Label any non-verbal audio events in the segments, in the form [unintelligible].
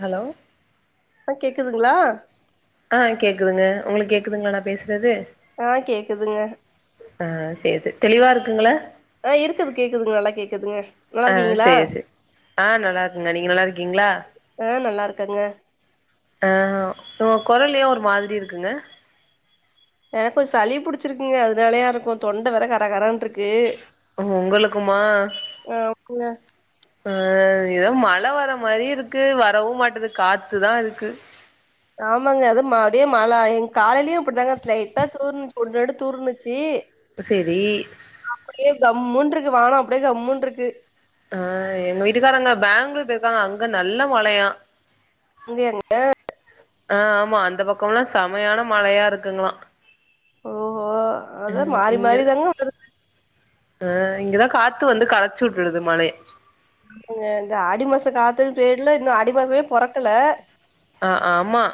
Hello அ கேக்குதுங்ளா அ கேக்குதுங்க உங்களுக் கேக்குதுங்ளா நா பேசுறது ஆ கேக்குதுங்க அ சேர் சே தெளிவா இருக்குங்ள அ இருக்குது கேக்குதுங்க நல்லா கேக்குதுங்க நல்லாருக்கீங்ளா அ நல்லாருக்கங்க நீங்க நல்லாருக்கீங்ளா அ நல்லாருக்கங்க அ உங்க குரல் ஏ ஒரு மாதுரி இருக்குங்க எனக் கொஞ்ச சளி புடிச்சிருக்குங்க அதுனாலயா இருக்கு தொண்ட வேற கர கரன்ருக்கு ஒங்களுக்குமா [unintelligible] அ ஏதோ மழ வர மாரி இருக்கு வரவு மாட்டுது காத்துதா இருக்கு ஆமாங்க அதுமா அடியே மழ எங்க காலைலியு அப்புடிதாங்க லைட்டா தூற்னுச்சி ஒன் ரெண்டு தூற்னிச்சு ப்ப செரி அப்புடியே கம்முன்ருக்கு வானம் அப்டியே கம்முன்ருக்கு அ எங் வீட்டுக்காரங்க பெங்களூர் போய்ருக்காங்க அங்க நல்ல மழையா அங்யாங்க அ ஆமா அந்த பக்கம்ல்லா சமையான மழையா இருக்குங்ளா ஓஹோ அத மாறி மாறி தாங்க வரு அ இங்கதா காத்து வந்து கலச்சி உட்டுடுது மழைய இங்க இந்த ஆடி மாச காத்துன் பேர்ல இன்னு ஆடி மாசமே பொறக்கல அ ஆமா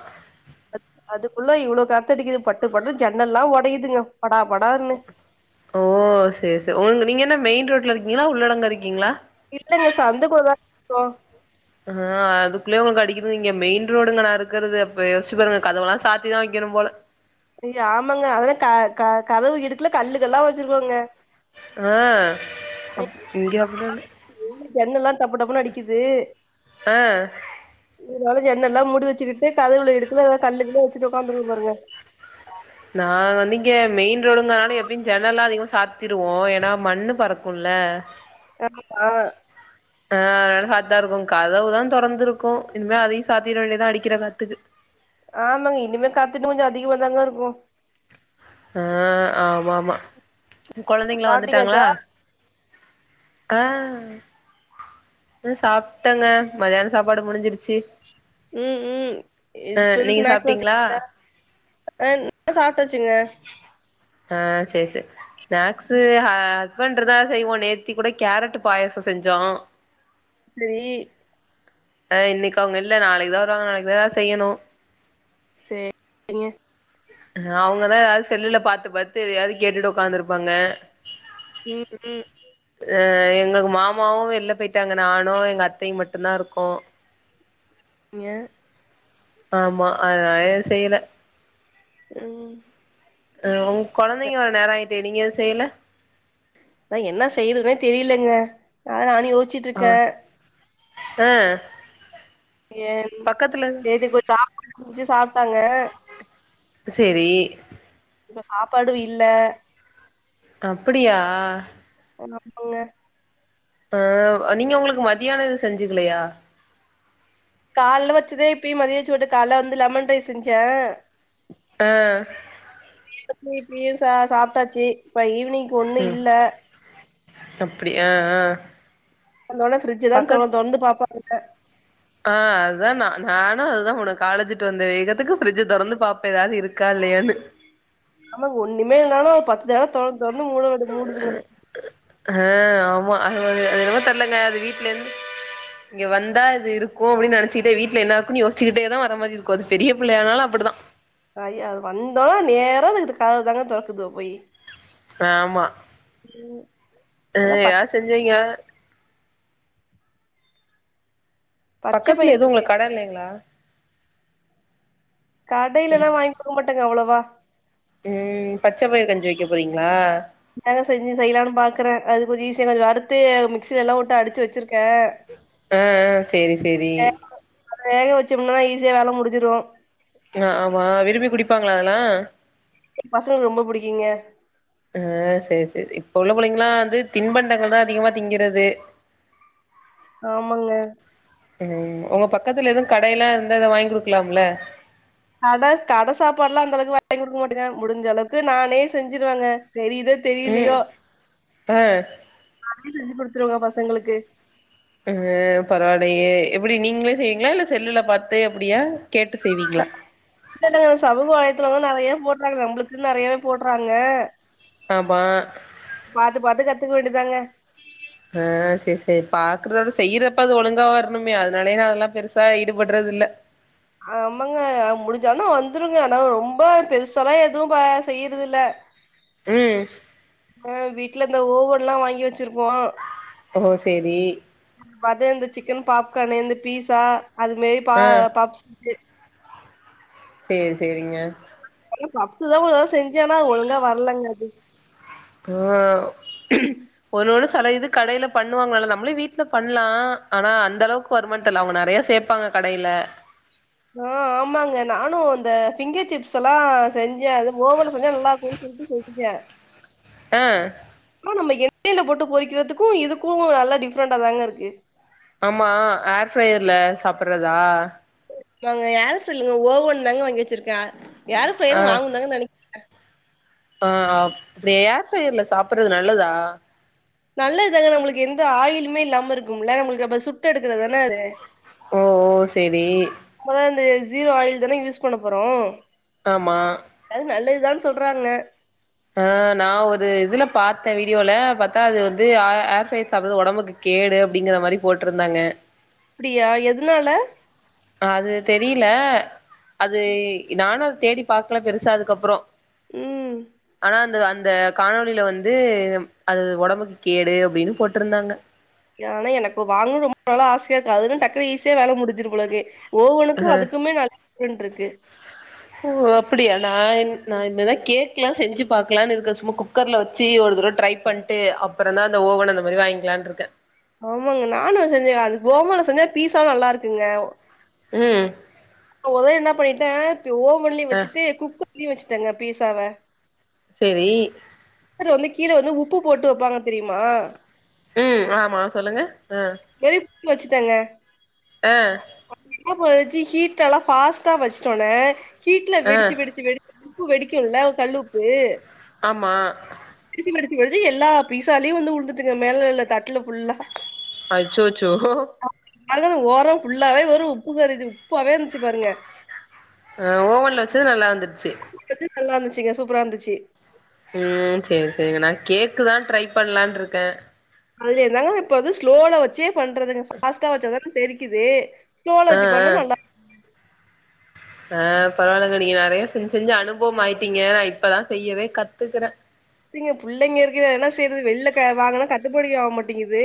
அத் அதுக்குள்ள இவ்ளோ காத்தடிக்குது பட்டு பட்டுனு ஜன்னல்லா ஒடையுதுங்க படா படார்ன்னு ஓ சேரி செ உங்க நீங்க என்ன மெயின் ரோட்ல இருக்கீங்ளா உள்ளடங்க இருக்கீங்ளா இல்லங்க சந்துக்குள்ள தாங்க இருக்கோ ஹ ஆ அதுக்குள்ளயே உங்க கடிக்குது இங்க மெயின் ரோடுங்க நா இருக்கது அப்ப யோசு பாருங்க கதவெல்லா சாத்திதா வக்கணு போல இங்க ஆமாங்க அதெல்லா க க கதவு இடுக்குல கல்லுக்கல்லா வச்சிருக்கோங்க ஆ அப் இங்க அப்படிலாம் இல்ல. ம் எண்ண எல்லா டப்பு டப்புன்னு அடிக்குது ஆ இதனால ஜன்னல்லா மூடி வச்சுக்கிட்டு கதவுள இடுக்குல எதா கல்லுக்குல்லா வச்சுட்டு உக்காந்துவே பாருங்க நாங்க வந்து இங்க மெயின் ரோடுங்கனாறதுல எப்பயு ஜன்னல்லா அதிகமா சாத்திருவோ ஏனா மண்ணு பறக்குல ஆ தன் மா ஆ ஆ அதனால சாத்திதா இருக்கு கதவுதா தொறந்த இருக்கு இனிமே அதையு சாத்திர வேண்டியதுதா அடிக்கிற காத்துக்கு ஆமாங்க இனிமே காத்து இன்னு கொஞ்சோ அதிகமாதாங்க இருக்கு அஹ் ஆமா ஆமா கொழந்தைங்களா வந்துட்டாங்களா சாப்ட்டீங்காச்சா ஆ து சாப்ட்டேங்க மதியானத் சாப்பாடு முடிஞ்சிருச்சு ம் ம் ஆ இத் புது நீங்க ஸ்நாக்ஸ் பாக்ஸ் சாப்ட்டீங்களா ரெடியா அ நா சாப்டாச்சுங்க ஆ சேரி சேரி ஸ்நாக்ஸ்சு ஹ டிஃப்ரெண்டுறுதா செய்வோ நேத்தி கூட கேரட் பாயசோ செஞ்சோ லேயி ஆ இன்னைக்கு அவுங்க இல்ல நாளைக்கு தா வருவாங்க நாளைக்கு தா எதாது செய்யணு சேரி ங்க அ ஹ அவுங்கதா எதாவது செல்லுல பாத்த பாத்து எதையாவது கேட்டுட்டு உக்காந்துருப்பாங்க. ம் ம் அ எங்களுக்கு மாமாவு வெளில போயிட்டாங்க நானு எங்க அத்தையு மட்டுதா ருக்கோ ஞ ஆமா அதனாலே செய்யல ம் ஹ வு கொழந்தைங்க வர நேர ஆயிட்டே நீங்க எதும் செய்யல அதா என்ன செய்றதுன்னே தெரியலங்க அதா நானு யோசிச்சுட்டு இருக்கே அ ஏன் நேத்திக்கு கொஞ்சோ சாப்பாடு இருந்துச்சு சாப்டாங்க சேரி இப்ப சாப்பாடு இல்ல அப்பிடியா எனப் பங்க அ வ் நீங்க உங்களுக்கு மத்தியான எது செஞ்சுக்கலயா கால்ல வச்சதே இப்பயு மதிய வச்சு ஓட்ட கால்ல வந்து லெமன் ரைஸ் செஞ்சே ஆ அப்பயு இப்பயு சா சாப்பிட்டாச்சு இப்ப ஈவினிங்க்கு ஒண்ணு இல்ல அப்டியா ஆ ஆ அதனால ஃபிரிட்ஜ்ய தா பக்கத் தொறந்து தொறந்து பாப்பா ங்க ஆ அதுதா நா நானு அதுதா பண்ணுவே காலேஜிட்டு வந்து வேகத்துக்கு ஃப்ரிட்ஜ தொறந்து பாப்பே எதாவது இருக்கா இல்லயானு ஆமாங்க ஒண்ணுமே இல்னாலு பத்து தடவ தொறந்து தொறந்து மூட வேண்டி மூடுதுங்க ஹ ஆமா அது ஒரு அது என்னமே தெர்லங்க அது வீட்ல இருந்து இங்க வந்தா இது இருக்கு அப்டின்னு நெனைச்சுக்கிட்டே வீட்ல என்னாருக்குனு யோசிச்சிக்கிட்டேதா வர மாரி இருக்கு அது பெரிய புள்ளயானலு அப்டிதா அய்யோ அது வந்தோனா நேரா அதுக்கு கதவ தாங்க தொறக்குதுக போயி ஆமா ம் ம் யார் செஞ்சீங்க பச்ச பக்கத்துல பயிறு எது இருக்கு உங்களுக்கு கடை இல்லிங்களா கடைலல்லா வாங்கிக்க மாட்டங்க அவ்ளோவா ம் பச்ச பயிறு கஞ்சி வைக்க போறீங்களா அதாங்க செஞ்சு செய்யலானு பாக்குற அது கொஞ்சோ ஈசியானது கொஞ்சோ வறுத்து மிக்சிலல்லா போட்டு அடிச்சு வச்சிருக்க அ அ சேரி சேரி வேக வச்சோம்னா ஈஸியா வேல முடிஞ்சிரு ஆ ஆமா விரும்பி குடிப்பாங்கலா அதலா எ பசங்களுக்கு ரொம்ப புடிக்கிங்க ஆ சேர் சேர் இப்ப உள்ள புள்ளைங்களா வந்து தின்பண்டங்கள் தா அதிகமா திங்கிறது ஆமாங்க ம் ஒங்க பக்கத்துல எதுவு கடைய எல்லா இருந்தா வாங்கி குடுக்கலாம் ல அட கடை சாப்பாடு எல்லா அந்த அளவுக்கு வாங்கி குடுக்க மாட்டங்க முடிஞ்ச அளவுக்கு நானே செஞ்சிருவங்க தெரியுதோ ம் தெரிலையோ ஆ நானே செஞ்சு குடுத்துருவங்க பசங்களுக்கு ம் பரவாலயே எப்டி நீங்களே செய்வீங்களா இல்ல செல்லுல பாத்து அப்டியா கேட்டு செய்வீங்களா இல்ல இல்லங்க சமுக வளயத்துல வந்து நெறையா போட்றாங்க நம்ளுக்குன்னு நெறையாவே போட்றாங்க ஆம்மா பாத்து பாத்து கத்துக்க வேண்டிதாங்க ஆ சரி சரி பாக்குறதோட செய்யறப்ப அது ஒழுங்கா வருனுமே அதனாலே நா அதெல்லா பெருசா ஈடுபடுறது இல்ல ஆமாங்க முடிஞ்சாலு பார்த்து வந்துருங்க ஆனா ரொம்ப பெருசாலா எதுவு ப செய்றது இல்ல ம் ஆ வீட்ல இந்த ஓவன்ல்லா வாங்கி வச்சிருக்கோ ஓ சேரி வது இந்த சிக்கன் பாப்கார்ன்னு இந்த பீஸா அது மரி பா ஆ பாப்ஸ் சேரி செரிங்க பப்ஸ்தா ஒருதவ செஞ்சனா அது ஒழுங்கா வரலங்க அது ஆ ஒண்ணு ஒண்ணு சில இது கடையில பண்ணுவாங்கல்ல நம்மளே வீட்ல பண்லா ஆனா அந்த அளவுக்கு வருமா தெர்ல அவங்க நெறய சேப்பாங்க கடைல ஆ ஆமாங்க நானு இந்த ஃபிங்கர் சிப்ஸ் எல்லா செஞ்ச அது ஓவன் செஞ்சா நல்லாக்கு [unintelligible] வைச்சி செஞ்ச அ ஆ நம்ம எண்ணெய்ல போட்டு பொறிக்கிறதுக்கு இதுக்கு நல்லா டிஃப்ரெண்டா தாங்க இருக்கு ஆமா ஏர் ஃபயர்ல சாப்பறதா நாங்க ஏர் ஃபயர் இல்லங்க ஓவன் தாங்க வாங்கி வச்சிருக்க ஏர் ஆ ஃபயரு வாங்கனுதாங்க நெனை ஆ அப்டி ஏர் பயர்ல சாப்பறது நல்லதா நல்லதுதாங்க நம்ளுக்கு எந்த ஆயிலுமே இல்லாம இருக்கும்ல்ல நம்மளுக்கு அப்ப சுட் சுட்டேடுக்கறது தான அது ஓ ஓ சேரி நம்மதா இந்த ஜீரோ ஆயில் தான யூஸ் பண்ண போறோ ஆமா அது நல்லதுதா சொல்றாங்க ஆ நா ஒரு இதுல பாத்தே வீடியோல பாத்தா அது வந்து ஆர் ஆர்ஃப்ரையர் சாப்பற்றது ஒடம்புக்கு கேடு அப்டிங்கற மாரி போட்ருந்தாங்க அப்டியா எதுனால ஆ அது தெரில அது நானு அது தேடி பாக்கல பெருசா அதுக்கப்பறோ ம் ஆனா அந்த அந்த காணொலில வந்து அது ஒடம்புக்கு கேடு அப்டின்னு போட்ருந்தாங்க ஆனா எனக்கு வாங்கனுன் ரொம்ப நாளா ஆசையா இருக்கு அதுனா டக்குனு ஈஸியா வேல முடுஞ்சுரு போலருக்கு அ ஒவ்வொன்னுக்கு அதுக்குமே நல்லா டிஃப்ரன்ட்ருக்கு ஓ அப்டியா நா இன் நா இன்னதா கேக்லா செஞ்சு பாக்கலான் இருக்கே சும்மா குக்கர்ல்ல வச்சு ஒரு தடவ ட்ரை பண்ட்டு அப்பறந் தா அந்த ஓவன் அந்த மாரி வாங்கிக்கலான்ருக்கே ஆமாங்க நானு அது செஞ்சே அது போமால செஞ்சா பீஸா நல்லாருக்குங்க ம் ஒரு தடவ என்னா பண்ணிட்டே இப்ப ஓவன்லயு அ வச்சுட்டு குக்கர்லயு வச்சுட்டேங்க பீசாவ சேரி குக்கர்ல வந்து கீழ வந்து உப்பு போட்டு வப்பாங்க தெரிமா ம் ஆமா சொல்லுங்க ஆ நெருப்பு வச்சுடங்க ஆ அப்டினா போய்டுச்சு ஹீட்டல்லா ஃபாஸ்டா வச்சுட்டோனே ஹீட்ல அ வெடுச்சி வெடுச்சி வெடு உப்பு வெடிக்குல்ல கல் உப்பு ஆமா வெடுச்சு வெடுச்சு வெடுச்சு எல்லா பீசாலயு வந்து உழுந்துச்சுங்க மேல இல்ல தட்ல ஃபுல்லா அச்சோச்சோ அதுவு ஓரோ ஃபுல்லாவே ஒரே உப்பு கருகி உப்பாவே இருந்ச்சு பாருங்க ஆ ஓவன்ல வச்சது நல்லா வந்துற்ச்சு போட்டது நல்லா இருந்துச்சுங்க சூப்பரா இருந்துச்சு ம் சேரி சேரிங்க நா கேக்கு தா ட்ரை பண்லான்ருக்கே அதுல என்னாங்க இப்ப வந்து ஸ்லோல வச்சே பண்றதுங்க ஃபாஸ்ட்டா வச்சாதான தெறிக்கிது ஸ்லோலா அ வச்சு அ பண்ணா நல்லா ஆ பரவால்ல தோழி நீங்க நெறைய செஞ்சு செஞ்சு அனுபவம் ஆயிட்டீங்க நா இப்பதா செய்யவே கத்துக்கிறே நீங்க புள்ளைங்க இருக்கு வேற என்னா செய்யறது வெள்ல க வாங்குனா கட்டுப்படி ஆக மாட்டிகிது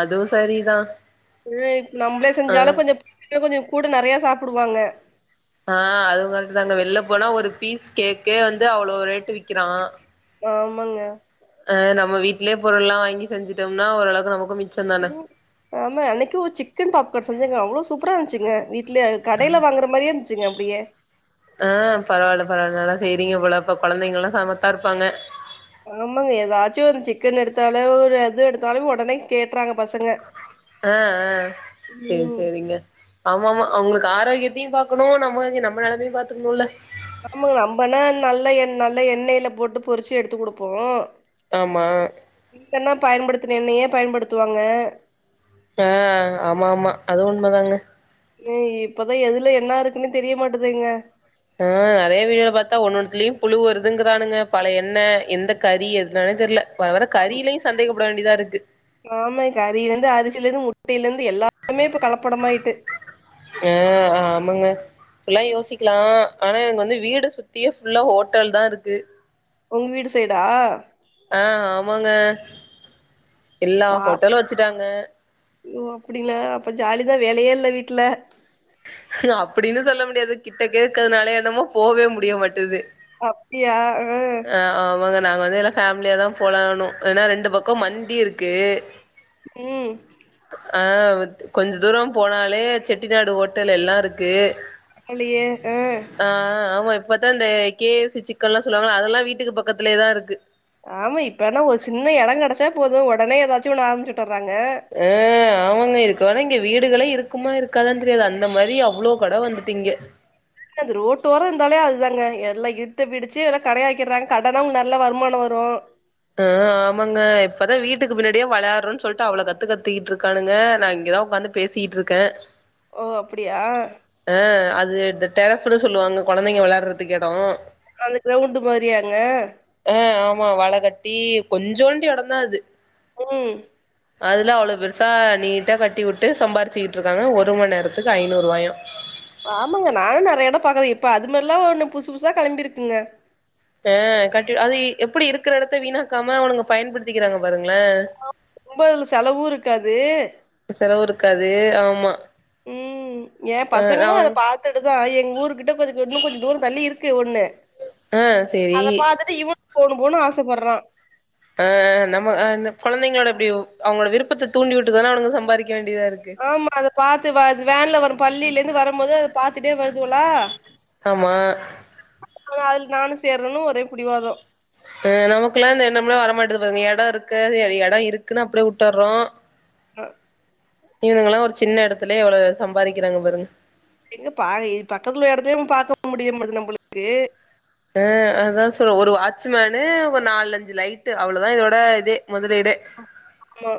அதுவு சரிதா ஆ நம்மளே ஆ செஞ்சாலு கொஞ்ச இன்ன கொஞ்ச கூட நெறைய சாப்புடுவாங்க ஆ அதுவு கரக்டு தாங்க வெளில போனா ஒரு பீஸ் கேக்கே வந்து அவ்ளோ ரேட்டு விக்கிறா ஆமங்க ஆ நம்ம வீ்ட்லய பொருள்லா வாங்கி செஞ்சுடம்னா ஓரளவுக்கு நமக்கு மி ம் ஆமா அன்னைக்கு சிக்கன் பாப்கான் செஞ்சங்க அவ்ளோ சூப்பரா இருந்ச்சுங்க வீ வீட்ல கடேல வாங்குற மாரியே இருந்ச்சுங்க அப்டியே ஆ பரவால்ல பரவால்ல நல்லா செய்றீங்க போல அப்ப கொழந்தைங்கல்லா சமத்தா இருப்பாங்க ஆமாங்க ஏதாச்சு வந்து சிக்கன் எடுத்தாலு ஒரு எது எடுத்தாலு ஒடனே கேட்றாங்க பசங்க ஆ ஆ சேர் ம் சேரிங்க ஆமா ஆமா அவுங்களுக்கு ஆரோக்கியத்தையு பாக்கணு நம்ம கஞ்சி நம்ம நெலமையு பாத்துக்கணுல்ல ஆமாங்க நம்மனா நல்ல எண்ண நல்ல எண்ணேல போட்டு பொறுச்சு எடுத்து குடுப்போ ஆமா இப்பன்னா பயன்படுத்துன எண்ணைய பயன்படுத்துவாங்க ஆ ஆமா ஆமா அது உண்மதாங்க இப்பதா எதுல என்ன இருக்குன்னு தெரியமாட்டுதுங்க ஆ நெறைய வீடியோல பாத்தா ஒன்னொன்துலயும் புழு வருதுங்கிறானுங்க பழய எண்ண எந்த கறி எதுனாலே தெரில வர வர கறியிலயும் சந்தேக்கப்பட வேண்டியதா இருக்கு ஆமா கறியில இருந்து அரிசில இருந்து முட்டையில இருந்து எல்லாமே இப்ப கலப்படமாயிட்டு அ ஆமாங்க ஃபுல்லா யோசிக்கலாம் ஆனா எனக்கு வந்து வீடு சுத்தியும் ஃபுல்லா ஹோட்டல் தா இருக்கு உங்க வீடு சைடா அ ஆமாங்க எல்லா சாப் ஹோட்டலு வச்சுட்டாங்க ஓ அப்டின்னா அப்ப ஜாலிதா வேலையே இல்ல வீட்ல அப்டின்னு சொல்ல முடியாது கிட்டகே இருக்கறதுனால என்னமோ போவே முடிய மாட்டுது ஓ அப்டியா ஆ ஆ ஆமாங்க நாங்க வந்து எல்லா ஃபேமிலியாதா போலாணு ஏன்னா ரெண்டு பக்கம் மந்தி இருக்கு ம் ஆ கொஞ்ச தூரம் போனாலே செட்டிநாடு ஹோட்டல் எல்லா இருக்கு இல்லைய அ அ ஆமா இப்பத்தா இந்த கே எஃப் சி சிக்கன்ல்லா சொல்லுவாங்களா அதெல்லா வீட்டுக்கு பக்கத்துலயேதா இருக்கு ஆமா இப்பனா ஒரு சின்ன எம்ட கெடைச்சா போதும் உடனே ஏதாச்சு ஒன்னு ஆரம்பிச்சுட்டுறாங்க அ ஆமாங்க இருக்க வேனா இங்க வீடுகளே இருக்குமா இருக்காதானு தெரியாது அந்த மாதிரி அவ்ளோ கட வந்துட்டு இங்க இன்ன அது ரோட்டோரம் இருந்தாலே அதுதாங்க எல்லா இட்டு பிடிச்சு எல்லா கடையாக்கிறாங்க கடன்னா நல்லா வருமானம் வரும் ஆ ஆமாங்க இப்பதா வீட்டுக்கு பின்னாடியா வெளாடுறோன்னு சொல்ட்டு அவ்ளோ கத்து கத்திக்கிட்டு இருக்கானுங்க நா இங்கேதா உக்காந்து பேசி சுத்திகிட்டு இருக்க ஓ அப்டியா அ அது டெரப்ன்னு சொல்லுவாங்க கொழந்தைங்க விளையாடுறதுக்கு இடம் அந்த கிரௌண்ட் மாதிரியாங்க அ ஆமா வலகட்டி கொஞ்சோண்டு இடந்தா அது ம் அதுல அவ்ளோ பெருசா நீட்டா கட்டி வுட்டு சம்பாரிச்சுக்கிட்டு இருக்காங்க ஒரு மண் நேரத்துக்கு ஐநூறு ரூபாயா ஆமாங்க நானு நெறைய இட பாக்குற இப்ப அதுமாதிரில்லா ஒன்னு புதுசு புதுசா கெளம்பி இருக்குங்க ஆ கண்டி அது எப்டி இருக்கிற இடத்த வீணாக்காம அவனுங்க பயன்படுத்திக்கிறாங்க பாருங்கள ரொம்ப அதுல செலவு இருக்காது செலவு இருக்காது ஆ ஆமா ம் ஏன் பசங்களு அத அவன் பாத் துட்டு தா எங்க ஊரு கிட்ட கொஞ்ச இன்னு கொஞ்ச தூர தள்ளி இருக்கு ஒண்ணு ஆ சேரி அத பாத்துட்டு இவனு போணு போணு ஆசப்பட்றா ஆ நம்ம அந்த கொழந்தைங்களோட அப்டி அவுங்களோட விருப்பத்த தூண்டி விட்டுதான அவனுங்க சம்பாதிக்க வேண்டியதா இருக்கு ஆமா அத பாத்து வேன்ல வரு பள்ளியில இருந்து வரும்போது அத பாத்துட்டே வருதுவோலா ஆமா அதுல நானு சேரனுன்னு ஒரே பிடிவாதம் அ நமக்குல்லா இந்த என்னம்லா வர மாட்டது பாருங்க இட இருக்கு இட இருக்குன்னு அப்டியே வுட்டுறோ அ இவனுங்கல்லா ஒரு சின்ன எடத்துலே இவ்ளோ சம்பாதிக்கிறாங்க பாருங்க எங்கப்பா பக்கத்துல இருக்க எடத்தையே பாக்க முடிய மாட்டது நம்மளுக்கு ஆ அதுதா சொல்ற ஒரு வாட்ச்மேனு ஒரு நாலஞ்சு லைட்டு அவ்வளோதா இதோட இதே முதலீடே [inaudible] ஆமா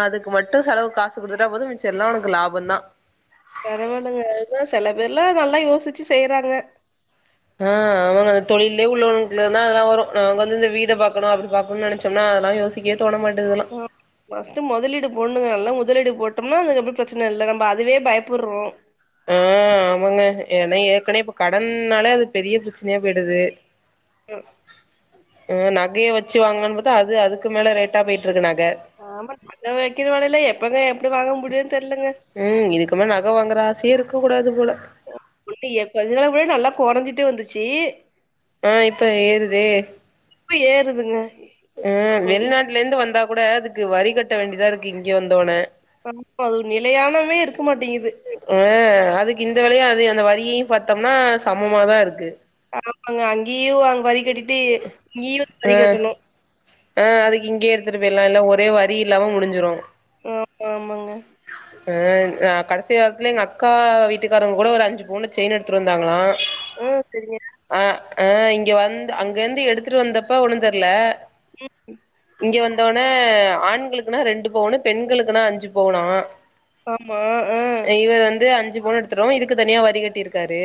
அதுக்கு மட்டு செலவுக்கு காசு குடுத்துட்டா போது மிச்ச எல்லா உனக்கு லாபொந்தா பரவால்லங்க அதுதா செல பேர்லா நல்லா யோசிச்சு செய்றாங்க ஆ அவங்க அந்த தொழிலயே உள்ளவங்களுக்கு அதெல்லா வரு நாங்க வந்து இந்த வீட பாக்கணு அப்டி பாக்கணு நெனச்சோம்னா அதெல்லா யோ த்திக்கே தோண மாட்டுது இதெல்லா ஆ பர்ஸ்ட்டு மொதலீடு போன்ணுங்க நல்ல முதலீடு போட்டோம்னா அது எப்டி பிரச்சன இல்ல நம்ப அதுவே பயப்புறோ ஆ ஆமாங்க ஏன்னா ஏற்கனவே இப்ப கடன்னாலே அது பெரிய பிரச்சனையா போயிடுது அ அ நகைய வச்சு வாங்கலான்னு பாத்தா அது அதுக்கு மேல ரேட்டா போயிட்ருக்கு நக ஆமா நக வக்கிற வெலையில எப்பங்க எப்டி வாங்க முடியு தெர்லங்க ம் இதுக்கு மே நக வாங்குற ஆசையே இருக்க கூடாது போல இல்லையே இப்ப [unintelligible] கூட நல்லா கொறஞ்சிட்டு வந்துச்சி ஆ இப்ப ஏறுதே இப்ப ஏறுதுங்க ம் கொஞ் வெளிநாட்ல இருந்து வந்தா கூட அதுக்கு வரி கட்ட வேண்டியதா இருக்கு இங்க வந்தோன ஆமா அப்ப அது நிலையானமே இருக்க மாட்டேங்குது அ அதுக்கு இந்த வெலய அது அந்த வரியையு பாத்தோம்னா சமமாதா இருக்கு ஆமாங்க அங்கேயு அங்க வரி கட்டிட்டு இங்கேயு வந்து வரி ஆ. கட்டணு ஆ அதுக்கு இங்கயே எடுத்துட்டு போய்ல்லா இல்லா ஒரே வரி இல்லாம முடிஞ்சிரு ஆமா ஆமாங்க அ அ கடைசி காலத்துல எங்க அக்கா வீட்டுக்காரங்க கூட ஒரு அஞ்சு பவுண்ல செயின் எடுத்துட்டு வந்தாங்களா ஆ செரிங்க அ ஆ இங்க வந்து அங்கேந்து எடுத்துட்டு வந்தப்ப ஒண்ணு தெர்ல ம் இங்க வந்தோனே ஆண்களுக்குனா ரெண்டு பவுணு பெண்களுக்குனா அஞ்சு பவுணா ஆமா ஆ இவர் வந்து அஞ்சு பவுண்ணு எடுத்துட்வரவு இதுக்கு தனியா வரி கட்டியிருக்காரு